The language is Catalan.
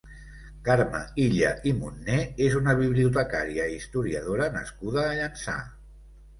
Carme Illa i Munné és una bibliotecària i historiadora nascuda a Llançà.